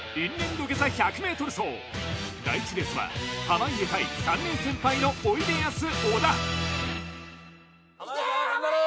土下座１００ｍ走第１レースは濱家対３年先輩のおいでやす小田いけ濱家！